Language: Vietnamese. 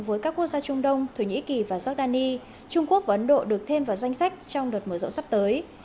với các quốc gia trung đông thổ nhĩ kỳ và giordani trung quốc và ấn độ được thêm vào danh sách trong đợt mở rộng sắp tới